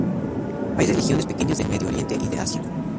Hay religiones pequeñas del Medio Oriente y de Asia.